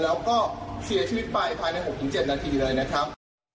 แล้วก็เสียชีวิตไปภายใน๖๗นาทีเลยนะครับ